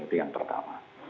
itu yang pertama